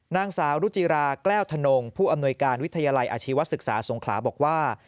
นางสาวรุจิราแก้วธนงผู้อำนวยการวิทยาลัยอาชีวศึกษาสงขลาบอกว่า